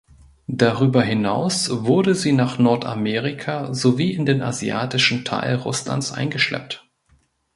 Darüber hinaus wurde sie nach Nordamerika sowie in den asiatischen Teil Russlands eingeschleppt.